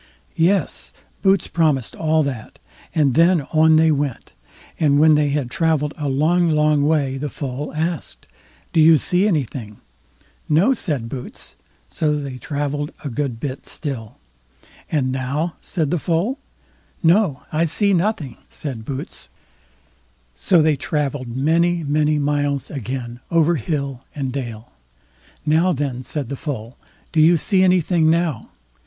Yes! Boots promised all that, and then on they went. And when they had travelled a long long way, the Foal asked: "Do you see anything?" "No", said Boots. So they travelled a good bit still. "And now?" asked the Foal. "No, I see nothing", said Boots. So they travelled many many miles again, over hill and dale. "Now then", said the Foal, "do you see anything now?"